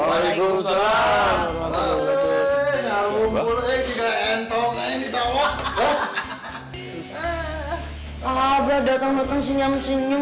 abah dateng dateng sinyam sinyum